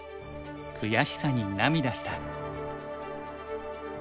悔しさに涙した。